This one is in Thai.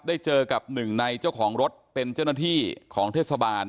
เจอกับหนึ่งในเจ้าของรถเป็นเจ้าหน้าที่ของเทศบาล